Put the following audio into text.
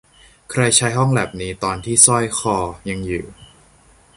ใครใช้ห้องแล็ปนี้ตอนที่สร้อยคอยังอยู่